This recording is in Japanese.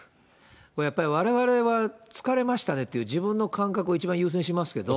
やっぱりわれわれは、疲れましたねっていう自分の感覚を一番優先しますけど、